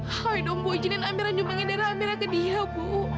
ayo dong bu izinin amira nyembangin darah amira ke dia bu